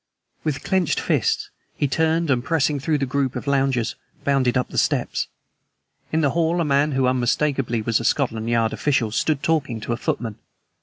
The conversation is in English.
With clenched fists he turned and, pressing through the group of loungers, bounded up the steps. In the hall a man who unmistakably was a Scotland Yard official stood talking to a footman.